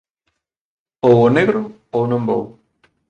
ou o negro ou non vou.